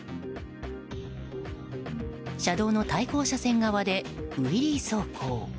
車道の対向車線側でウィリー走行。